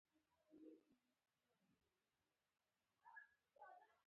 له ملګرو سره یو ځای شوم چې ولاړ شو.